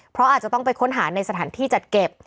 เพราะอาจจะต้องไปค้นหาในสถานที่จัดเก็บ